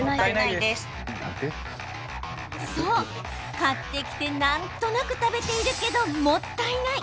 そう、買ってきてなんとなく食べてきているけどもったいない。